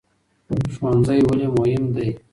ښوونځی ولې مهم دی؟